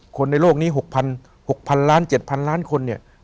คนในโลกนี้๖๐๐๖๐๐ล้าน๗๐๐ล้านคนเนี่ย